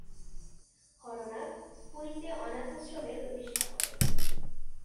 হরনাথ পুরীতে অনাথ আশ্রমের প্রতিষ্ঠা করেন।